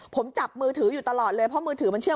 ผมจับมือถืออยู่ตลอดเลยเพราะมือถือมันเชื่อ